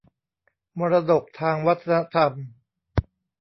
มรดกทางวัฒนธรรม